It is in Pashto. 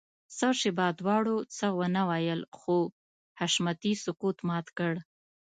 څه شېبه دواړو څه ونه ويل خو حشمتي سکوت مات کړ.